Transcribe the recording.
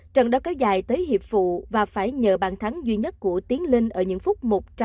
trận đấu kéo dài tới hiệp phụ và phải nhờ bàn thắng duy nhất của tiến linh ở những phút một trăm một mươi một